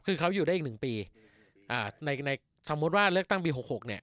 คือเขาอยู่ได้อีกหนึ่งปีในสมมุติว่าเลือกตั้งปี๖๖เนี่ย